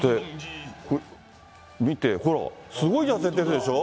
見て、ほら、すごい痩せてるでしょ。